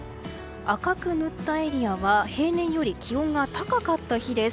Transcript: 赤く塗ったエリアは平年より気温が高かった日です。